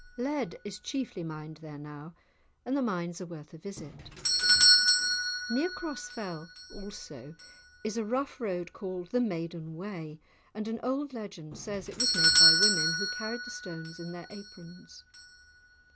Lead is chiefly mined there now, and the mines are worth a visit. Near Cross Fell also is a rough road called the "Maiden Way," and an old legend says it was made by women, who carried the stones in their aprons!